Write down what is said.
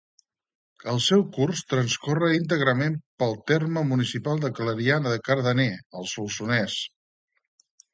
El seu curs transcorre íntegrament pel terme municipal de Clariana de Cardener, al Solsonès.